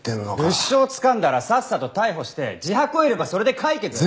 物証つかんだらさっさと逮捕して自白を得ればそれで解決です！